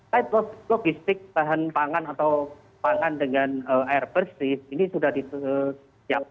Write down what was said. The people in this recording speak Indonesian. tapi logistik bahan pangan atau pangan dengan air bersih ini sudah disiapkan